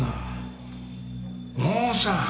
モーさん。